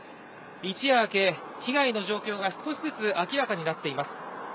一夜明け、被害の状況が少しずつ明らかになっています。